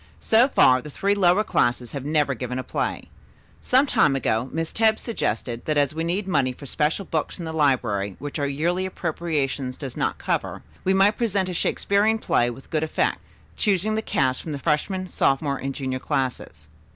"So far the three lower classes have never given a play. Some time ago Miss Tebbs suggested that as we need money for special books in the library which our yearly appropriation does not cover, we might present a Shakespearian play with good effect, choosing the cast from the freshman, sophomore and junior classes.